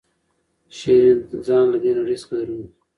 شیرین ځان له دې نړۍ څخه درومي.